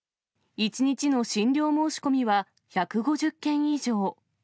１日の診療申し込みは１５０件以上。